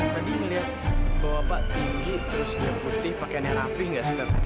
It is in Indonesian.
tadi ngeliat bawa bak tinggi terus dia putih pakaiannya rapih gak suka